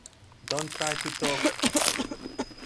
Don’t try to talk!